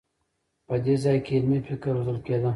په دې ځای کې علمي فکر روزل کېده.